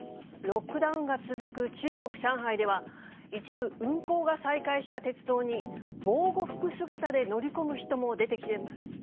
ロックダウンが続く中国・上海では、一部運行が再開した鉄道に、防護服姿で乗り込む人も出てきています。